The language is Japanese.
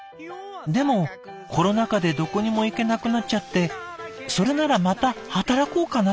でもコロナ禍でどこにも行けなくなっちゃってそれならまた働こうかなって。